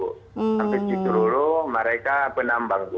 hampir disuruh mereka penambang bu